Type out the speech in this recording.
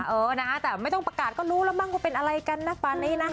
เออนะฮะแต่ไม่ต้องประกาศก็รู้แล้วมั้งว่าเป็นอะไรกันนะตอนนี้นะ